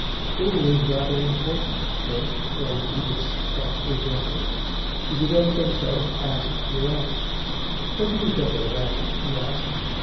"School is rather important, George," was Edith's tart rejoinder. "If you don't think so, ask your aunt." "What do you think of it, Auntie?" he asked.